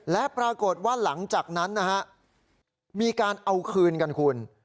และปรากฏว่าหลังจากนั้นนะฮะมีการเอาคืนกันคุณ